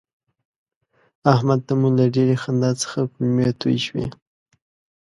احمد ته مو له ډېرې خندا څخه کولمې توی شوې.